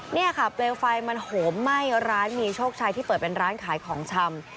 นี่ค่ะเปลวไฟมันโหมไหม้ร้านมีโชคชัยที่เปิดเป็นร้านขายของชำ